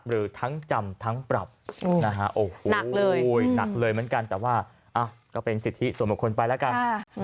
หรือทั้งจำทั้งปรับนะฮะโอ้โหหนักเลยเหมือนกันแต่ว่าก็เป็นสิทธิส่วนบุคคลไปแล้วกัน